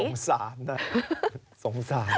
สงสารนะสงสาร